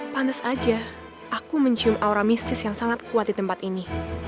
pantes aja aku mencium aura mistis yang sangat kuat di tempat ini